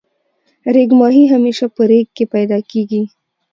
ریګ ماهی همیشه په ریګ کی پیدا کیږی.